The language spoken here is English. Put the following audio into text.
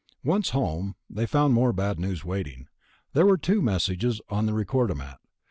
Once home they found more bad news waiting. There were two messages on the recordomat.